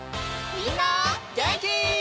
みんなげんき？